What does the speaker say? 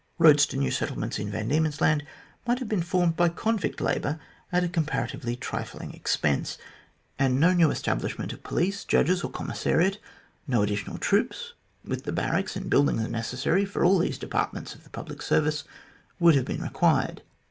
Eoads to new settlements in Van Diemen's Land might have been formed by convict labour at a comparatively trifling expense; and no new establishment of police, judges, or commissariat, no additional troops, with the barracks and buildings necessary for all these departments of the public service, would have been required.